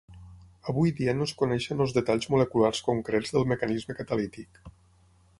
Avui dia no es coneixen els detalls moleculars concrets del mecanisme catalític.